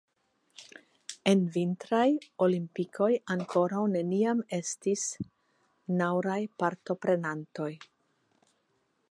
En vintraj olimpikoj ankoraŭ neniam estis nauraj partoprenantoj.